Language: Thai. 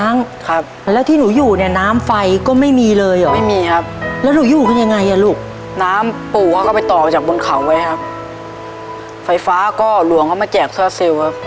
น้ำปู่เขาก็ไปต่อกันจากบนเขาไว้ครับไฟฟ้าก็หลวงเขามาแจกเสื้อซิลครับ